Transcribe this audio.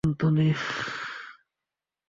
এখনই সিদ্ধান্ত নে!